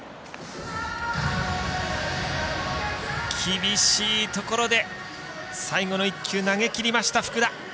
厳しいところで、最後の１球投げきりました、福田。